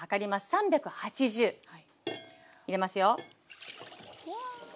３８０入れますよ。